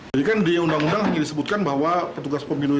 jadi kan di undang undang yang disebutkan bahwa petugas pemilu itu